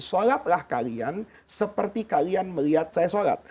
sholatlah kalian seperti kalian melihat saya sholat